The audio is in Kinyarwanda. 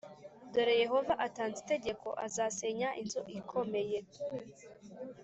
Dore Yehova atanze itegeko azasenya inzu ikomeye